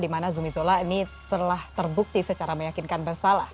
di mana zumizola ini telah terbukti secara meyakinkan bersalah